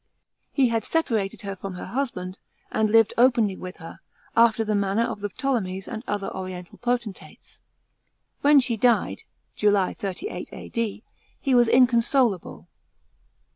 He had separated her from her husband, and lived openly with her, after the manner of the Ptolemies and other oriental potentates. When she died (July, 08 A.D.), he was incon solable.